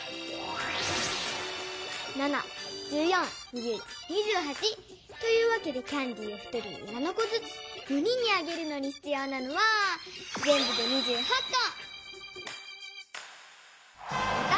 ７１４２１２８。というわけでキャンディーを１人に７こずつ４人にあげるのにひつようなのはぜんぶで２８こ！